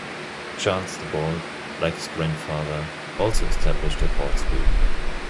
Charles the Bald, like his grandfather, also established a Court School.